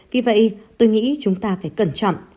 vì vậy tôi nghĩ chúng ta phải cẩn trọng